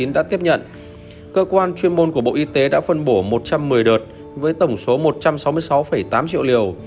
cơ quan chuyên môn của bộ y tế đã phân bổ một trăm một mươi đợt với tổng số một trăm sáu mươi sáu tám triệu liều